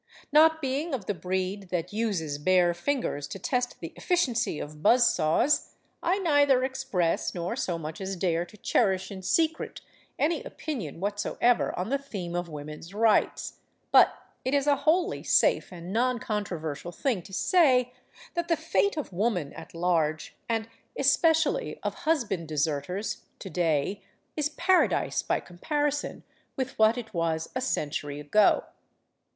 Not being of the breed that uses bare fingers to test the efficiency of buzz saws, I neither express, nor so much as dare to cherish in secret, any opinion what soever on the theme of Woman's Rights. But it is a wholly safe and noncontroversial thing to say that the fate of woman at large, and especially of husband de serters, to day, is paradise by comparison with what it was a century ago.